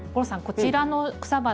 こちらの草花